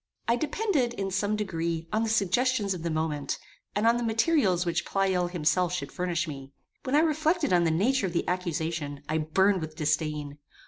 I depended, in some degree, on the suggestions of the moment, and on the materials which Pleyel himself should furnish me. When I reflected on the nature of the accusation, I burned with disdain.